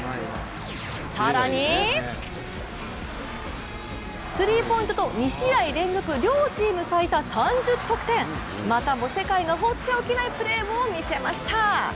更に、スリーポイントと２試合連続、両チーム最多３０得点、またも世界が放っておけないプレーを見せました。